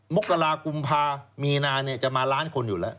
มกรกุมพามีณาเนี่ยจะมาล้านคนอยู่แหละ